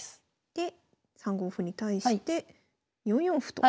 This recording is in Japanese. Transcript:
で３五歩に対して４四歩と。